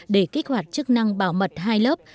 để kích hoạt chức năng bảo mật hai lớp